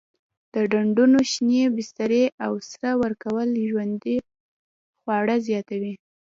د ډنډونو شینې بسترې او سره ورکول ژوندي خواړه زیاتوي.